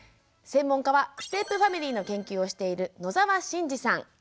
専門家はステップファミリーの研究をしている野沢慎司さん。